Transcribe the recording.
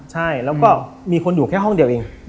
ใช่แล้วก็มีคนอยู่แค่ห้องเดียวเอง